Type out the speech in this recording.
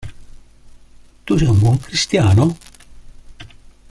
Tu sei un buon cristiano.